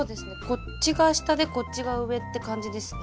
こっちが下でこっちが上って感じですね。